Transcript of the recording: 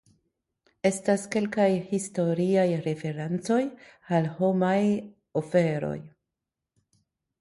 Estas kelkaj historiaj referencoj al homaj oferoj.